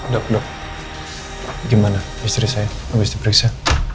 dok dok gimana istri saya habis diperiksa